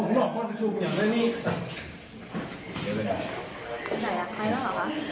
นายอยากไปแล้วเหรอวะ